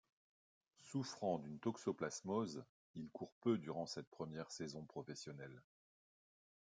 Souffrant d'une toxoplasmose, il court peu durant cette première saison professionnelle.